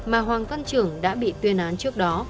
mà hoàng văn trưởng đã bị tuyên đoạt